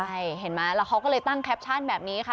ใช่เห็นไหมแล้วเขาก็เลยตั้งแคปชั่นแบบนี้ค่ะ